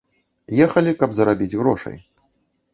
Ехалі, каб зарабіць грошай.